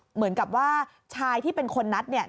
เหมือนกับว่าชายที่เป็นคนนัดเนี่ย